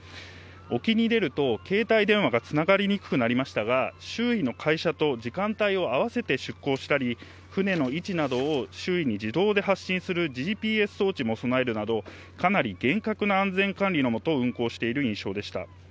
沖に出ると、携帯電話がつながりにくくなりましたが、周囲の会社と時間帯を合わせて出航したり、船の位置などを周囲に自動で発信するＧＰＳ装置も備えるなど、かなり厳格な安全管理の下、運航している印象でした。